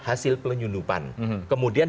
hasil penyundupan kemudian